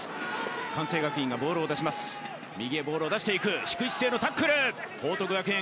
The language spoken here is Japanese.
関西学院がボールを出します右へボールを出していく低い姿勢のタックル報徳学園